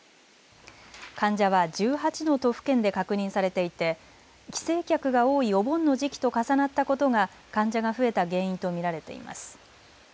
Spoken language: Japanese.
患者は１８の都府県で確認されていて帰省客が多いお盆の時期と重なったことが患者が増えた原因と見られています。